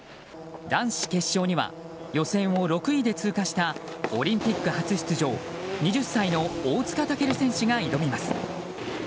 男子決勝には予選を６位で通過したオリンピック初出場２０歳の大塚健選手が挑みます。